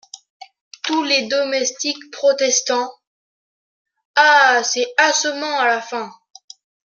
Tous Les Domestiques , protestant. — Ah ! c’est assommant à la fin !…